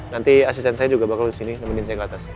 nanti asisten saya juga bakal kesini nemenin saya ke atas